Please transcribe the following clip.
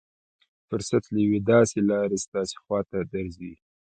فرصت له يوې داسې لارې ستاسې خوا ته درځي.